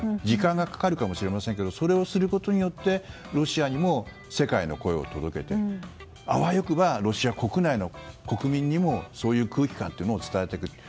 時間はかかるかもしれませんけどそれをすることによってロシアにも世界の声を届けてあわよくばロシア国内の国民にもそういう空気感というものを伝えていく。